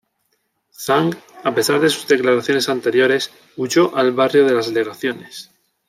Zhang, a pesar de sus declaraciones anteriores, huyó al barrio de las legaciones.